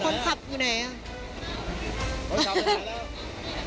นี่เจ้าหน้าที่